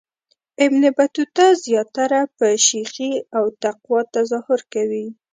ابن بطوطه زیاتره په شیخی او تقوا تظاهر کوي.